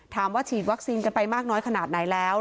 ฉีดวัคซีนกันไปมากน้อยขนาดไหนแล้ว